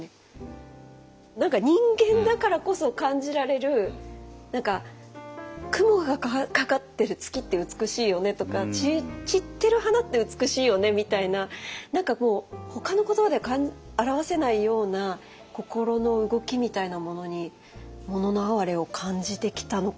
何か人間だからこそ感じられる雲がかかってる月って美しいよねとか散ってる花って美しいよねみたいな何かほかの言葉では表せないような心の動きみたいなものに「もののあはれ」を感じてきたのかな？